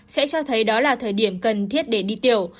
sẽ cho thấy đó là thời điểm cần thiết để đi tiểu